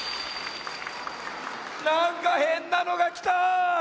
なんかへんなのがきた！